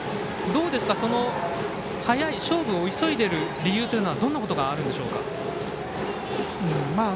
どうですか、勝負を急いでいる理由というのはどんなことがあるんでしょうか？